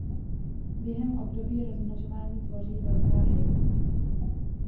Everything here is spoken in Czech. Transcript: Během období rozmnožování tvoří velká hejna.